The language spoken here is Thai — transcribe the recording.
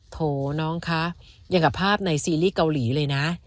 โถน้องคะอย่างกับภาพในซีรีส์เกาหลีเลยนะ